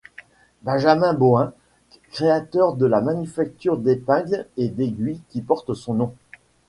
Benjamin Bohin, créateur de la manufacture d'épingles et d'aiguilles qui porte son nom.